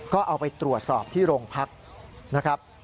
ก็เอาไปตรวจสอบที่โรงพักนะครับ